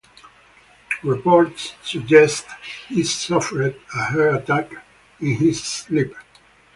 Reports suggest he suffered a heart attack in his sleep.